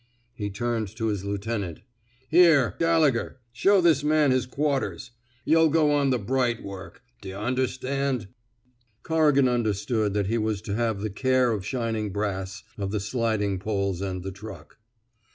He turned to his lieutenant. Here, Galle gher, show this man his quarters. Yuh '11 go on the bright work ... d'yuh under stand? " Corrigan understood that he was to have the care of shining brass of the sliding poles and the truck.